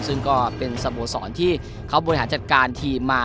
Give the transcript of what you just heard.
ซึ่งก็เป็นสโมสรที่เขาบริหารจัดการทีมมา